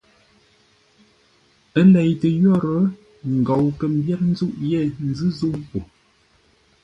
Ə́ leitə yórə́ ngou kə̂ mbyér nzûʼ yé nzʉ́ zə̂u po.